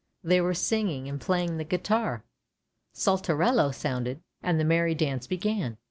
There was singing, and playing the guitar; Saltarello sounded, and the merry dance began.